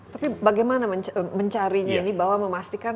tapi bagaimana mencarinya ini bahwa memastikan